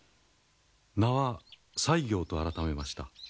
名は西行と改めました。